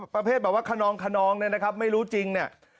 ประเภทแบบว่าขนองขนองเนี่ยนะครับไม่รู้จริงเนี่ย